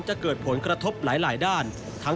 จะเกิดผลกระทบหลายด้าน